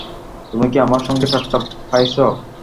তুমি কি আমার সঙ্গে ঠাট্টা পাইয়াছ!